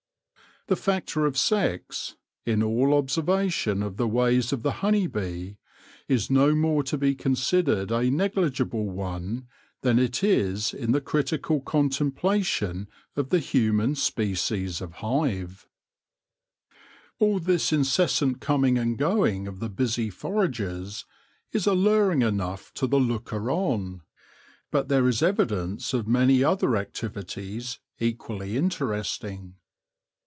The factor of sex, in all observation of the ways of the honey bee, is no more to be considered a negligible one than it is in the critical contemplation of the human species of hive. All this incessant coming and going of the busy foragers is alluring enough to the looker on, but AT THE CITY GATES 41 there is evidence of many other activities equally interesting.